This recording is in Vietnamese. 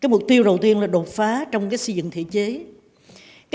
mục tiêu đầu tiên là đột phá trong xây dựng thể chế